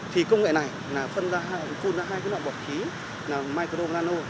thì công nghệ này phun ra hai cái loại bọt khí là micro nano